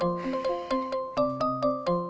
udah sepuluh tahun